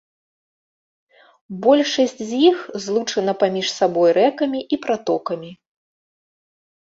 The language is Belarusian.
Большасць з іх злучана паміж сабой рэкамі і пратокамі.